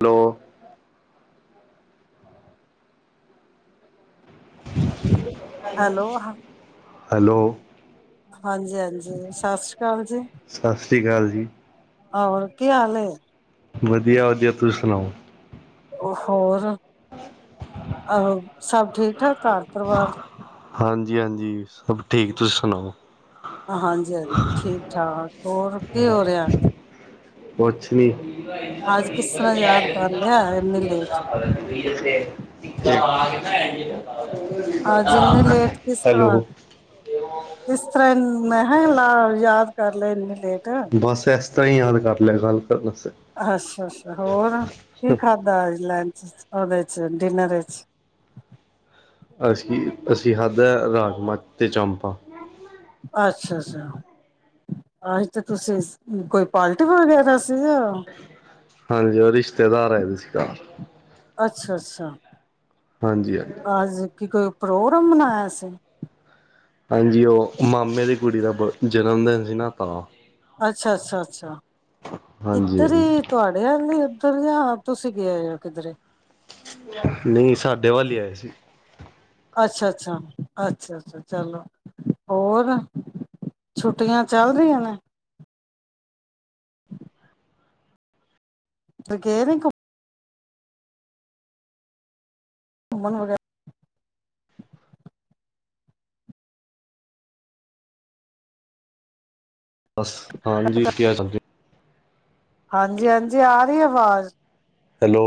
Hello. Hello hello. ਹਾਂਜੀ-ਹਾਂਜੀ, ਸਸ੍ਰੀ ਅਕਾਲ ਜੀ। ਸਸ੍ਰੀ ਅਕਾਲ ਜੀ। ਔਰ ਕੀ ਹਾਲ ਏ? ਵਧੀਆ-ਵਧੀਆ, ਤੁਸੀਂ ਸੁਣਾਓ। ਹੋਰ ਆਹੋ, ਸਭ ਠੀਕ-ਠਾਕ ਘਰ ਪਰਿਵਾਰ? ਹਾਂਜੀ-ਹਾਂਜੀ, ਸਭ ਠੀਕ ਤੁਸੀਂ ਸੁਣਾਓ। ਹਾਂਜੀ-ਹਾਂਜੀ, ਠੀਕ- ਠਾਕ ਹੋਰ ਕੀ ਹੋ ਰੇਯਾ? ਕੁਛ ਨੀਂ ਜੀ। ਅੱਜ ਕਿਸ ਤਰ੍ਹਾਂ ਯਾਦ ਕਰ ਲਿਆ ਇੰਨੀ ਲੇਟ [inaudible] ਅੱਜ ਇਨੇ ਲੇਟ, ਕਿਸ ਤਰਾਂ? ਇਸ ਤਰਾਂ, ਮੈਂਹੈ ਲਾ ਯਾਦ ਕਰ ਲੈ ਇੰਨੀ ਲੇਟ। ਬਸ, ਇਸ ਤਰ੍ਹਾਂ ਹੀ ਯਾਦ ਕਰ ਲੇਯਾ, ਗੱਲ ਕਰਨ ਆਸਤੇ। ਅੱਸ਼ਾ-ਅੱਸ਼ਾ, ਹੋਰ ਕੀ ਖਾਧਾ ਲੰਚ ਓਦੇ ਚ ਡਿਨਰ ਏਚ? ਅਸੀ ਅਸੀ ਖਾਧਾ ਰਾਜਮਾ ਤੇ ਚਾਮਪਾ। ਅੱਸ਼ਾ-ਅੱਸ਼ਾ। ਅੱਜ ਤਾਂ ਤੁਸੀਂ ਕੋਈ ਪਾਲਟੀ ਵਗੈਰਾ ਸੀ ਯਾਂ? ਹਾਂਜੀ ਰਿਸ਼ਤੇਦਾਰ ਆਏ ਹੋਏ ਸੀ ਘਰ, ਅੱਛਾ -ਅੱਛਾ ਹਾਂਜੀ -ਹਾਂਜੀ। ਅੱਜ ਕੀ ਕੋਈ ਪ੍ਰੋਗਰਾਮ ਮਨਾਇਆ ਸੀ। ਹਾਂਜੀ ਉ ਮਾਮੇ ਦੀ ਕੁੜੀ ਦਾ ਜਨਮ ਦਿਨ ਸੀ ਨਾ, ਤਾਂ। ਅੱਛਾ -ਅੱਛਾ, ਅੱਛਾ ਹਾਂਜੀ ਇੱਧਰ ਹਾਂਜੀ ਹੀ ਤੁਹਾਡੇ ਆਲ ਇ ਐ। ਕਹਿੰਦੇ ਆਪ ਤੁਸੀਂ ਗਏ ਹੋਏ ਓ ਕਿੱਧਰੇ। ਨਈ ਸਾਡੇ ਵੱਲ ਈ ਆਏ ਸੀ। ਅੱਛਾ- ਅੱਛਾ, ਅੱਛਾ -ਅੱਛਾ ਚਲੋ, ਹੋਰ? ਛੁੱਟੀਆਂ ਚੱਲ ਰਹੀਆਂ ਨੇ। ਹ ਗਏ ਨਹੀਂ ਘੁ- ਘੁੰਮਨ ਵਗੈਰਾ- ਬਸ ਕੱਟ ਹਾਂਜੀ ਕੱਟ ਕੈ ਸਕਦੇ ਓ, ਹਾਂਜੀ- ਹਾਂਜੀ ਆ ਰਹੀ ਐ ਆਵਾਜ਼, ਹੈਲੋ,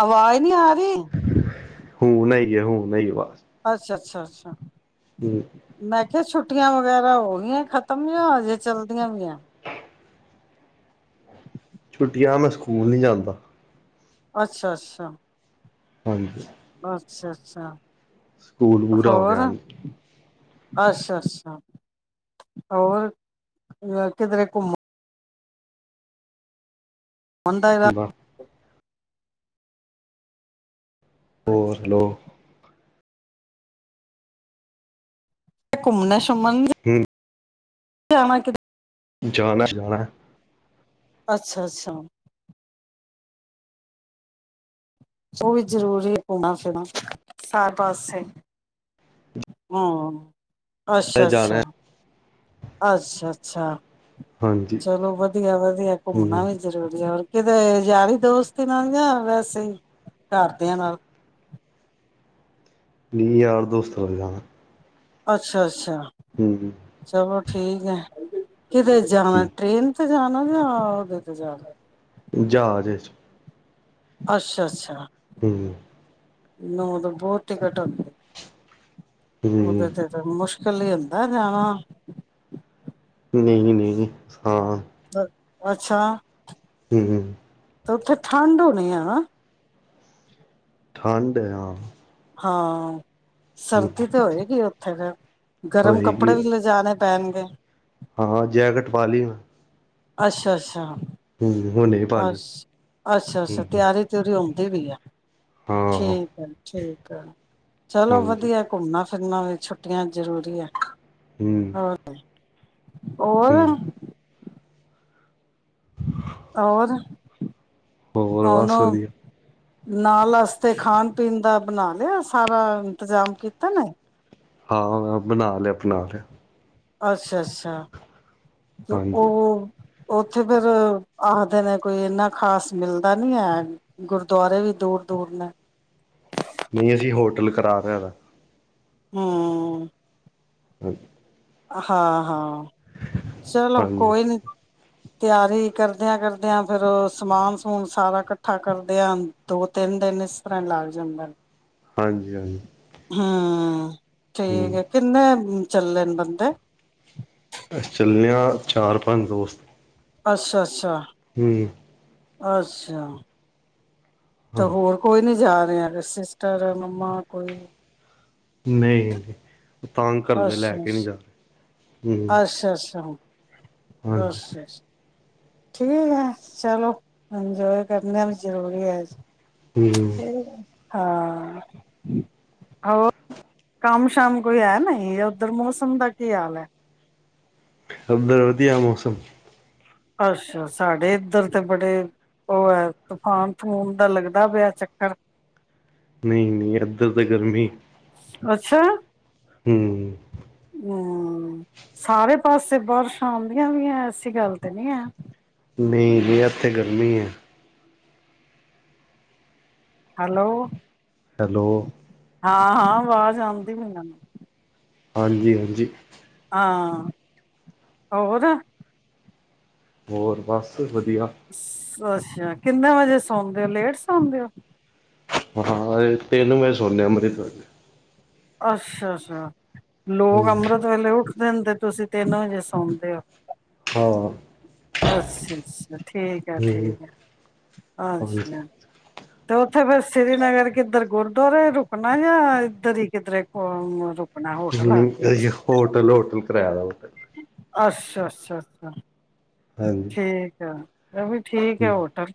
ਆਵਾਜ਼ ਨੀ ਆ ਰਹੀ। ਹੂੰ ਨ ਆਈ ਐ ਹੂੰ ਨ ਆਈ ਐ ਵਾਜ ਅੱਛਾ- ਅੱਛਾ, ਅੱਛਾ। ਹੂੰ। ਮੈਂ ਕਿਹਾ ਛੁੱਟੀਆਂ ਵਗੈਰਾ ਹੋ ਗਈਆਂ ਖਤਮ ਯਾ ਹਜੇ ਚਲਦੀਆਂ ਵੀ ਆ ਐ। ਛੁੱਟੀਆਂ ਮੈਂ ਸਕੂਲ ਨੀ ਜਾਂਦਾ। ਅੱਛਾ- ਅੱਛਾ। ਹਾਂਜੀ। ਅੱਛਾ- ਅੱਛਾ ਸਕੂਲ ਪੂਰਾ ਹੋ ਗਿਆ ਹੋਰ? ਹਾਂਜੀ ਅੱਛਾ- ਅੱਛਾ ਹੋਰ ਕਿਧਰੇ ਘੁੰਮਣ? ਹੁਣ ਦਾਇ ਤਾ ਬਸ ਹੋਰ ਹੈਲੋ, ਘੁੰਮਣਾ- ਸੂਮਨ ਦ ਹਿਲ- ਜਾਣਾ ਕਿਧਰੇ- ਜਾਣਾ- ਜਾਣਾ ਐ ਅੱਛਾ- ਅੱਛਾ। ਉਹ ਵੀ ਜ਼ਰੂਰੀ ਐ ਘੁੰਮਣਾ- ਫਿਰਨਾ ਸਾਥ ਆਸਤੇ। ਹਾਂ ਅੱਛਾ- ਅੱਛਾ। ਜਾਣਾ ਅੱਛਾ- ਅੱਛਾ ਹਾਂਜੀ ਚਲੋ ਵਧੀਆ- ਵਧੀਆ ਹੂੰ ਘੁੰਮਣਾ ਵੀ- ਜ਼ਰੂਰੀ ਐ, ਹੋਰ ਕਿਤੇ ਯਾਰੀ ਦੋਸਤੀ ਨਾਲ ਜਾਂ ਵੈਸੇ ਹੀ ਘਰਦਿਆਂ ਨਾਲ। ਨੀ ਯਾਰ ਦੋਸਤਾ ਨਾਲ। ਅੱਛਾ- ਅੱਛਾ। ਹੂੰ -ਹੂੰ। ਚਲੋ ਠੀਕ ਐ, ਕਿਧਰੇ ਜਾਣਾ ਠੀਕ ਟ੍ਰੇਨ ਤੇ ਜਾਣਾ ਜਾਂ ਉਹਦੇ ਤੇ ਜਾਣਾ। ਜਾਹਾਜ ਇਚ। ਅੱਛਾ- ਅੱਛਾ। ਹੂੰ। ਨੋ ਓਦਾ ਬੋਤ ਇਕਟ ਹੋਂਦੀ ਐ। ਹੂੰ ਉਹਦੇ ਤੇ ਤਾਂ ਮੁਸ਼ਕਿਲ ਹੀ ਹੁੰਦਾ ਜਾਣਾ ਨਹੀਂ- ਨਹੀਂ ਹਾਂ ਅ ਅੱਛਾ ਹੂੰ ਤੇ ਉੱਥੇ ਠੰਡ ਹੋਣੀ ਆ ਨਾ ਠੰਡ ਹੈ ਹਾਂ ਹਾਂ ਹੂੰ ਸਰਦੀ ਤੇ ਹੋਏਗੀ ਉੱਥੇ ਫਿਰ ਗਰਮ ਹੋਏਗੀ ਕੱਪੜੇ ਵੀ ਲਿਜਾਣੇ ਪੈਣਗੇ ਹਾਂ ਜੈਕਟ ਪਾ ਲਈ। ਅੱਛਾ -ਅੱਛਾ ਹੂੰ ਹੁਣ ਅੱਛ, ਅੱਛਾ- ਅੱਛਾ ਤਿਆਰੀ ਤਉਰੀ ਹੁੰਦੀ ਪਯੀ ਆ ਹਾਂ ਠੀਕ ਆ ਠੀਕ ਆ, ਚਲੋ ਹਾਂਜੀ ਵਧੀਆ ਘੁੰਮਣਾ ਫਿਰਨਾ ਵੀ ਛੁੱਟੀਆਂ ਜ਼ਰੂਰੀ ਹੈ। ਹੂੰ। ਔਰ। ਹੂੰ ਔਰ ਹੋਰ ਬਸ ਉਹਨੂੰ। ਵਧੀਆ ਨਾਲ ਆਸਤੇ ਖਾਣ ਪੀਣ ਦਾ ਬਣਾ ਲਿਆ, ਸਾਰਾ ਇੰਤਜ਼ਾਮ ਕੀਤੇ ਨੇ। ਹਾਂ ਬਣਾ ਲਿਆ, ਆਪਣਾ ਤੇ। ਅੱਛਾ- ਅੱਛਾ ਤੇ ਓ। ਹਾਂਜੀ ਉੱਥੇ ਫੇਰ ਆਖਦੇ ਨੇ ਕੋਈ ਏਨਾ ਖ਼ਾਸ ਮਿਲ਼ਦਾ ਨੀ ਹੈ। ਗੁਰਦੁਆਰੇ ਵੀ ਦੂਰ ਦੂਰ ਨੇ ਨਹੀਂ ਅਸੀਂ ਹੋਟਲ ਕਰਾ ਦਿਆ ਦਾ ਹਾਂ ਹਾਂਜੀ ਹਾਂ ਹਾਂ ਚਲੋ ਹਾਂਜੀ ਕੋਈ ਨੀ ਤਿਆਰੀ ਕਰਦਿਆਂ ਕਰਦਿਆਂ ਫਿਰ ਉਹ ਸਮਾਨ ਸਮੂਨ ਸਾਰਾ ਕੱਠਾ ਕਰਦਿਆਂ ਦੋ ਤਿੰਨ ਦਿਨ ਇਸ ਤਰ੍ਹਾਂ ਲੱਗ ਜਾਂਦਾ ਹਾਂਜੀ ਹਾਂਜੀ ਹਾਂ ਠੀਕ ਹੂੰ ਹੈ ਕਿੰਨੇ ਚੱਲੇ ਨੇ ਬੰਦੇ ਅਸੀ ਚਲੇ ਆ ਚਾਰ ਪੰਜ ਦੋਸਤ ਅੱਛਾ ਅੱਛਾ ਹੂੰ ਅੱਛਾ ਤਾਂ ਹਾਂਜੀ ਹੋਰ ਕੋਈ ਨਹੀਂ ਜਾਂ ਰਿਹਾ ਕਿ ਸਿਸਟਰ ਮੰਮਾ ਕੋਈ ਨਹੀਂ ਨਹੀਂ ਤੰਗ ਕਰਦੇ ਲੈ ਅੱਛਾ ਕੇ ਨਹੀਂ ਜਾਦੇ ਅੱਛਾ ਅੱਛਾ ਅੱਛਾ ਹਾਂਜੀ ਅੱਛਾ ਠੀਕ ਹੈ ਚਲੋ ਇੰਜੋਏ ਕਰਨਾ ਵੀ ਜ਼ਰੂਰੀ ਹੈ ਹੂੰ ਇਹ ਹਾਂ ਹੋਰ ਕੰਮ ਸ਼ਮ ਕੋਈ ਹੈ ਨਈ ਉੱਧਰ ਮੌਸਮ ਦਾ ਕੀ ਹਾਲ ਹੈ ਸਮਦਰ ਵਧੀਆ ਮੌਸਮ ਅੱਛਾ ਸਾਡੇ ਇੱਧਰ ਤੇ ਬੜੇ ਉਹ ਹੈ ਤੂਫਾਨ ਤਫੂਨ ਦਾ ਲੱਗਦਾ ਪਿਆ ਚੱਕਰ ਨਹੀਂ ਨਹੀਂ ਇੱਧਰ ਤਾਂ ਗਰਮੀ ਅੱਛਾ। ਹੂੰ ਹਮ ਸਾਰੇ ਪਾਸੇ ਬਾਰਸ਼ਾ ਆਦੀਆ ਪਿਆ ਐ ਐਸੀ ਗੱਲ ਤੇ ਨੀ ਹੈ। ਨਈ ਜੀ ਐਥੇ ਗਰਮੀ ਐ। ਹੈਲੋ ਹੈਲੋ ਹਾਂ ਹਾਂ ਆਵਾਜ ਆਂਦੀ ਪੀ ਨੂੰ। ਹਾਂਜੀ ਹਾਂਜੀ। ਹਾਂ ਹੋਰ? ਹੋਰ ਬਸ ਵਧੀਆ। ਅੱਛਾ। ਕਿੰਨੇ ਵਜੇ ਸੌਦੇ ਓ ਲੇਟ ਸੌਂਦੇ ਓ? ਹਾਂ ਅ ਤਿਨ ਵਜੇ ਸੋਨੇ ਆ ਅਮ੍ਰਿਤ ਵੇਲੇ। ਅੱਸ਼ਾ ਅੱਸ਼ਾ ਲੋਗ ਹੂੰ ਅਮ੍ਰਿਤ ਵੇਲੇ ਉਠਦੇ ਨੇ ਤੇ ਤੁਸੀਂ ਤਿੰਨ ਵਜੇ ਸੌਂਦੇ ਓ। ਹਾਂ। ਅੱਛਾ ਅੱਛਾ ਠੀਕ ਐ ਹੂੰ ਠੀਕ ਐ ਅੱਛਾ। [inaudible] ਤੇ ਓਥੇ ਫੇਰ ਸ੍ਰੀਨਗਰ ਕਿੱਧਰ ਗੁਰਦਆਰੇ ਰੁਕਨਾ ਯਾ ਇੱਧਰ ਈ ਕਿਧਰੇ ਰੁਕ ਹੋਟਲ ਹੋਟਲ ਕਰਾਆ ਦਾ ਓ ਤੇ। ਅੱਸ਼ਾ ਅੱਸ਼ਾ ਅੱਸ਼ਾ ਹਾਂਜੀ ਠੀਕ ਐ। ਏ ਵੀ ਠੀਕ ਐ ਹੂੰ ਹੋਟਲ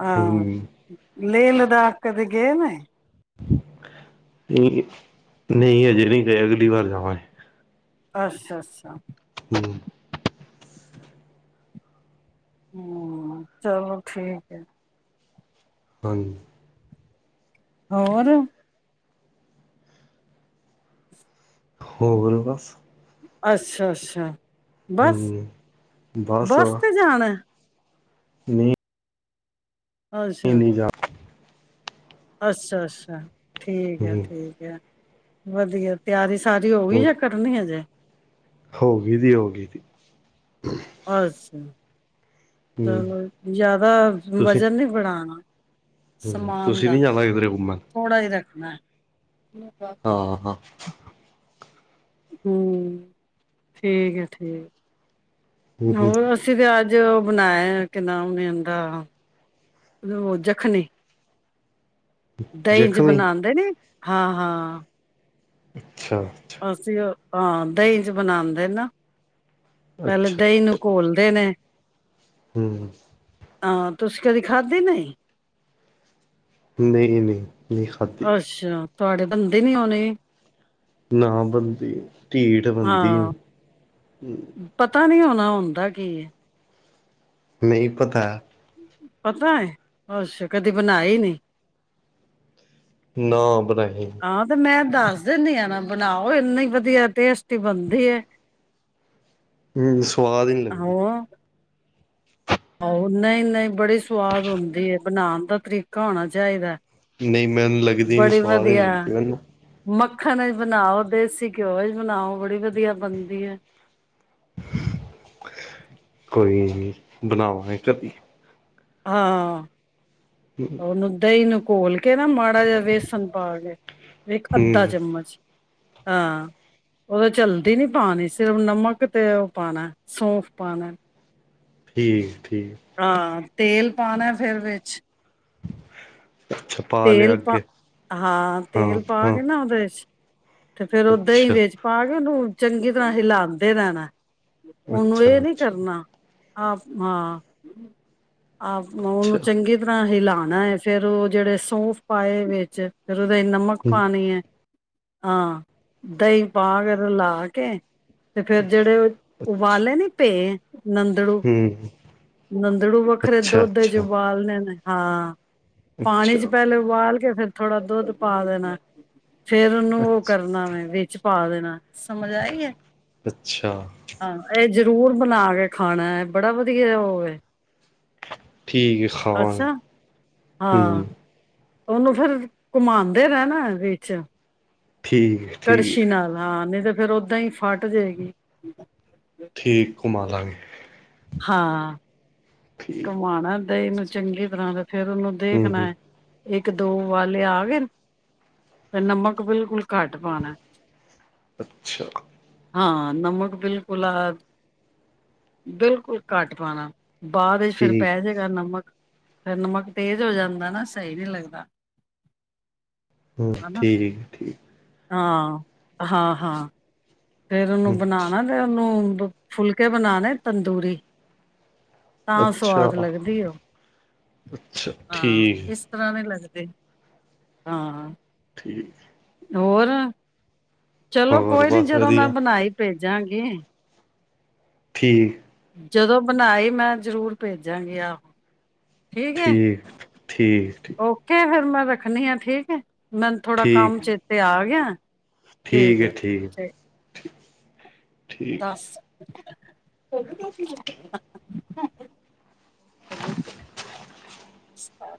ਹਾਂ। ਹੂੰ ਲੇਹ-ਲਦਾਖ ਕਦੀ ਗੇ ਨੇ? ਨਈ ਹਜੇ ਨੀ ਗਏ ਅਗਲੀ ਵਾਰ ਜਾਵਾਂਗੇ। ਅੱਸ਼ਾ ਅੱਸ਼ਾ। ਹੂੰ। ਹੂੰ ਚਲੋ ਠੀਕ ਏ। ਹਾਂਜੀ। ਹੋਰ ਹੋਰ ਬਸ। ਅੱਸ਼ਾ ਅੱਸ਼ਾ ਬੱਸ ਹੂੰ ਬੱਸ ਤੇ ਜਾਨਾ ਐ? ਨੀ ਅੱਸ਼ਾ। ਜਾ ਅੱਸ਼ਾ ਅੱਸ਼ਾ ਠੀਕ ਹੂੰ ਏ ਠੀਕ ਏ ਵਧੀਆ ਤਆਰੀ ਸਾਰੀ ਹੋ ਗਈ ਐ ਹੋਰ ਯਾ ਕਰ ਰਨੀ ਏ ਹਜੇ ਹੋ ਗਿ ਜੀ ਹੋਗੀ ਜੀ। ਅੱਸ਼ਾ ਚਲੋ ਜਾਦਾ ਤੁਸੀਂ ਵਜ਼ਨ ਨੀ ਬੜਾਨਾ। ਹੂੰ ਸਮਾਨ ਤੁਸੀਂ ਦਾ ਨਹੀਂ ਜਾਣਾ ਕਿਧਰੇ ਘੁੰਮਣ ਥੋੜਾ ਈ ਰੱਖਨਾ ਐ। ਆ-ਹਾ। ਹੂੰ ਠੀਕ ਏ ਠੀਕ ਹੂੰ ਏ ਹੂੰ ਹੋਰ ਰਸ ਅਸੀ ਤੇ ਅੱਜ ਓ ਬਣਾਆ ਐ ਕਿ ਨਾਮ ਏ ਓਂਦਾ। ਓ ਜਖਨੀ ਦਹੀ ਚ ਜ਼ਖਮੀ ਬਨਾਂਦੇ ਨੀ ਹਾਂ ਹਾਂ। ਅੱਛਾ। ਅੱਛਾ ਅਸੀ ਓ ਹਾਂ ਦਹੀ ਚ ਬਨਾਂਦੇ ਨਾ ਪੇਲੇ ਅੱਛਾ ਦਹੀ ਨੂੰ ਕੋਲਦੇ ਨੇ। ਹੂੰ। ਹਾਂ ਤੁਸੀ ਕਦੀ ਖਾਧੀ ਨਈ? ਨਈ ਨਈ ਨੀ ਖਾਦੀ। ਅੱਛਾ, ਤੁਆਡੇ ਬਨਦੇ ਨੀ ਓਣੇ ਨਾ ਬਨਦੀ, ਢੀਟ ਬਨਦੀ ਏ। ਹਾਂ ਪਤਾ ਨੀ ਓਣਾ ਓਂਦਾ ਕੀ ਏ। ਨਈ ਪਤੈ। ਪਤਾ ਏ, ਅੱਛਾ ਕਦੀ ਬਣਾਈ ਨੀ। ਨਾ ਬਨਾਈ ਹਾਂ ਤੇ ਮੈਂ ਦਾੱਸ ਦੇਨੀ ਆ ਨਾ ਬਨਾਓ ਏਨਈ ਵਦੀਆ ਟੇਸਟੀ ਬਨਦੀ ਏ। ਹੂੰ ਸਵਾਦ ਈ ਨੀ ਲੱਦੀ ਆਓ ਨਈ-ਨਈ ਬੜੀ ਸਵਾਦ ਓਂਦੀ ਏ ਬਨਾਣ ਦਾ ਤਰੀਕਾ ਓਣਾ ਚਾਈਦੈ। ਨਈ ਮੈਨ ਲੱਗਦੀ ਨੀ ਸਵਾਦ ਈ ਲੱਗਦੀ ਮੈਨੂੰ। ਮੱਖਨ ਏਚ ਬਨਾਓ ਦੇਸੀ ਘਯੋ ਏਚ ਬਨਾਓ ਬੜੀ ਵਦੀਆ ਬਨਦੀ ਏ। ਕੋਈ ਨੀ ਬਨਾਵਾਗੇ ਕਦੀ। ਹਾਂ, ਓਨੂੰ ਦੱਈ ਨੂੰ ਘੋਲ ਕੇ ਨਾ ਮਾੜਾ ਜੇਆ ਵੇਸਨ ਪਾ ਕੇ ਏਕ ਅੱਦਾ ਹੂੰ ਚਮਚ, ਹਾਂ ਓਦੇ ਚ ਅਲਦੀ ਨੀ ਪਾਨੀ ਸਿਰਫ ਨਮਕ ਤੇ ਓ ਪਾਨੈ ਸੌਂਫ ਪਾਨੈ। ਠੀਕ ਏ ਠੀਕ। ਹਾਂ, ਤੇਲ ਪਾਣੈ ਫੇਰ ਵੇਚ ਅੱਛਾ। ਲਿਆ ਤੇਲ ਪਾ, ਅੱਗੇ ਹਾਂ ਤੇਲ ਪਾ ਕੇ ਨਾ ਓਦੇ ਵੇਚ ਤੇ ਫੇਰ ਓ ਦੱਈ ਅੱਛਾ ਵੇਚ ਪਾ ਕੇ ਓਨੂੰ ਚੰਗੀ ਤਰ੍ਹਾਂ ਹਿਲਾਂਦੇ ਰੈਣੈ ਓਨੂੰ ਏ ਅੱਛਾ ਨੀ ਅੱਛਾ ਕਰਨਾ ਆਪ ਹਾਂ, ਆਪ ਅੱਛਾ ਓਨੂੰ ਚੰਗੀ ਤੜਾ ਹਿਲਾਨਾ ਏ ਫੇਰ ਓ ਜੜੇ ਸੌਂਫ ਪਾਏ ਵੇਚ, ਫੇਰ ਓਦੇ ਨਮਕ ਹੂੰ ਪਾਣੀ ਏ, ਹਾਂ ਦਈ ਪਾ ਕੇ ਰਲਾ ਕੇ ਤੇ ਫੇਰ ਜੜੇ ਓ, ਅੱਛਾ ਉਬਾਲੇ ਨੀ ਪੇਂ ਨੰ ਨੰਦੜੂ, ਹੂੰ ਨੰਦੜੂ ਵੱਖਰੇ ਅੱਛਾ ਦੋਦ ਏਚ ਅੱਛਾ ਉਬਾਲਨੇ ਨੇ ਹਾਂ ਪਾਣੀ ਚ ਅੱਛਾ ਪੈਲੇ ਉਬਾਲ ਕੇ ਫੇਰ ਥੋੜਾ ਦੋਧ ਪਾ ਦੇਣੈ ਫੇਰ ਓਨੂੰ ਓ ਅੱਛਾ ਕਰਨਾ ਵੇ ਵੇਚ ਪਾ ਦੇਨੈ, ਸਮਝ ਆਈ ਏ। ਅੱਛਾ। ਹਾਂ ਐ ਜਰੂਰ ਬਨਾ ਕੇ ਖਾਣਾ ਏ ਬੜਾ ਵਦੀਆ ਐ ਓ ਵੇ ਠੀਕ ਹੈ ਖਾਵਾਂਗੇ ਅੱਛਾ, ਹਾਂ। ਹੂੰ ਓਨੂੰ ਫੇਰ, ਕੁਮਾਨਦੇ ਰੈਨੈ ਵੇਚ ਠੀਕ ਏ। ਕੜਸ਼ੀ ਨਾਲ ਹਾਂ ਨਈ ਤੇ ਫੇਰ ਓ ਦਈ ਫਾਟ ਜੇਗੀ। ਠੀਕ, ਕੁਮਾ ਦਾ ਗੇ। ਹਾਂ। ਠੀਕ ਕੁਮਾਨਾ ਦਈ ਨੂੰ ਚੰਗੀ ਤਰਾ ਤੇ ਫੇਰ ਉਨੂੰ ਹੂੰ ਦੇਖਨਾ ਹੂੰ ਏ ਏਕ ਦੋ ਉਬਾਲੇ ਆ ਗਏਨ ਤੇ ਨਮਕ ਬਿਲਕੁਲ ਘਾੱਟ ਪਾਨੈ ਅੱਛਾ। ਹਾਂ ਨਮਕ ਬਿਲਕੁਲ, ਬਿਲਕੁਲ ਘਾੱਟ ਪਾਣਾ ਬਾਦ ਏਚ ਫੇਰ ਠੀਕ ਪੈ ਜੇਗਾ ਨਮਕ, ਫੇਰ ਨਮਕ ਤੇਜ ਓ ਜਨਦੈ ਨਾ ਸਈ ਨੀ ਲੱਗਦਾ ਹੂੰ ਹਨਾ ਠੀਕ ਏ ਠੀਕ। ਹਾਂ, ਹਾਂ-ਹਾਂ। ਫੇਰ ਉਨੂੰ ਹੂੰ ਬਣਾ ਤੇ ਉਨੂੰ ਫੁਲਕੇ ਬਨਾਣੇ ਤੰਦੂਰੀ। ਤਾਂ ਅੱਛਾ ਸਵਾਦ ਲੱਗਦੀ ਏ ਓ, ਅੱਛਾ ਹਾਂ ਠੀਕ ਹਾਂ ਮੈਂ ਲੱਗਦੇ ਹਾਂ ਠੀਕ ਹੋਰ ਚਲੋ ਹੋਰ ਕੋਈ ਨੀ ਬਸ ਜਦੋਂ ਮੈਂ ਵਧੀਆ ਬਣਾਈ ਭੇਜਾਂਗੀ ਠੀਕ ਜਦੋਂ ਬਣਾਈ ਮੈਂ ਜ਼ਰੂਰ ਭੇਜਾਂਗੀ ਆਹੋ ਠੀਕ ਏ ਓਕੇ ਫੇਰ ਮੈਂ ਰੱਖਣੀ ਆ ਠੀਕ ਏ। ਮੈਨ ਥੋੜਾ ਕੰਮ ਠੀਕ ਚੇਤੇ ਆ ਗਿਐ ਠੀਕ ਏ ਠੀਕ ਠੀਕ ਦਸ [unintelligible] [inaudible]